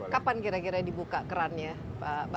kapan kira kira dibuka kerannya pak bambang